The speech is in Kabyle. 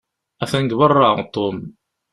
Atan deg beṛṛa Tom.